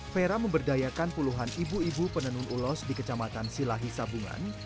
vera memberdayakan puluhan ibu ibu penenun ulos di kecamatan silahi sabungan